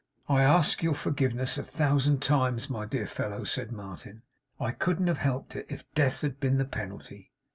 'I ask your forgiveness a thousand times, my dear fellow,' said Martin. 'I couldn't have helped it, if death had been the penalty.